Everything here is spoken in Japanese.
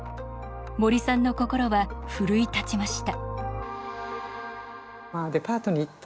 森さんの心は奮い立ちました。